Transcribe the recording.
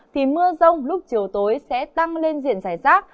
thì mưa rông lúc chiều tối sẽ tăng lên diện giải rác